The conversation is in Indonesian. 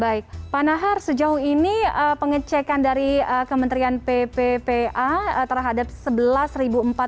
baik pak nahar sejauh ini pengecekan dari kementerian pppa terhadap sebelas empat puluh lima tahun ini